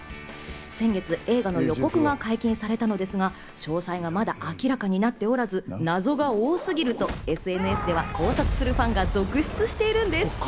先月、映画の予告が解禁されたのですが、詳細はまだ明らかになっておらず、謎が多すぎるとＳＮＳでは考察するファンが続出しているんです。